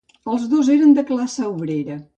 Els dos eren de classe obrera.